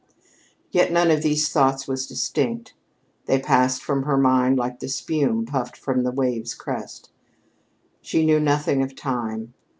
Yet none of these thoughts was distinct. They passed from her mind like the spume puffed from the wave's crest. She knew nothing of time.